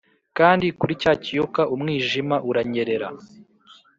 kandi kuri cya kiyoka umwijima uranyerera,